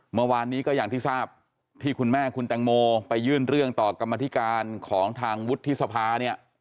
เมื่อวานนี้ก็อย่างที่ทราบที่คุณแม่คุณแตงโมไปยื่นเรื่องต่อกรรมธิการของทางวุฒิสภาเนี่ย